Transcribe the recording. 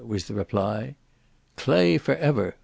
was the reply. "Clay for ever!"